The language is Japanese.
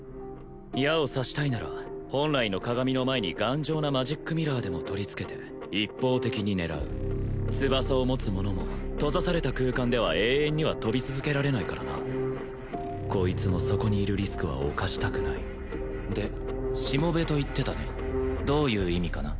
矢を刺したいなら本来の鏡の前に頑丈なマジックミラーでも取りつけて一方的に狙う翼を持つ者も閉ざされた空間では永遠には飛び続けられないからなこいつもそこにいるリスクは冒したくないでしもべと言ってたねどういう意味かな？